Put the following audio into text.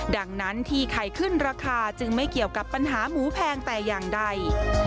ดังนั้นที่ไข่ขึ้นราคาจึงไม่เกี่ยวกับปัญหาหมูแพงแต่อย่างใด